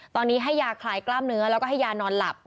ตอนนี้ให้ยาคลายกล้ามเนื้อแล้วก็ให้ยานอนหลับ